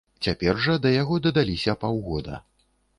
Цяпер жа да яго дадаліся паўгода.